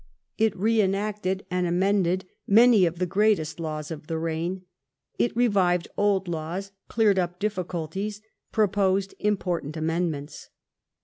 It re enacted and amended many of the greatest laws of the reign. It revived old laws, cleared up difficulties, proposed im portant amendments.